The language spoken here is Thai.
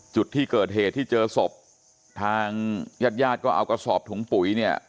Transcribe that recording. จุดที่เกิดเหตุที่เจอศพทางญาติญาติก็เอากระสอบถุงปุ๋ยเนี่ย